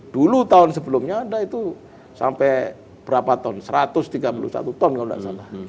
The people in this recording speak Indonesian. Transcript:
dulu tahun sebelumnya ada itu sampai berapa ton satu ratus tiga puluh satu ton kalau tidak salah